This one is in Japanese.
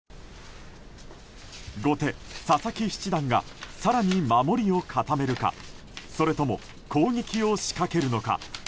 後手・佐々木七段が更に守りを固めるかそれとも、攻撃を仕掛けるのか。